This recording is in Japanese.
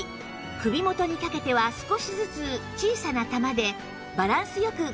首元にかけては少しずつ小さな珠でバランスよく組み上げました